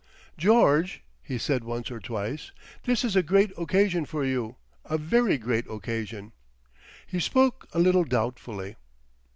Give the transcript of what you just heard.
"George" he said once or twice, "this is a great occasion for you—a very great occasion." He spoke a little doubtfully.